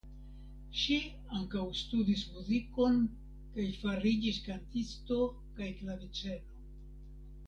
Ŝi ankaŭ studis muzikon kaj fariĝis kantisto kaj klaviceno.